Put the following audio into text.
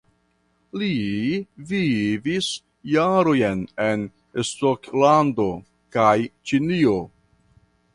Li vivis jarojn en Skotlando kaj Ĉinio.